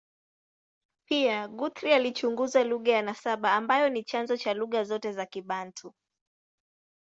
Pia, Guthrie alichunguza lugha ya nasaba ambayo ni chanzo cha lugha zote za Kibantu.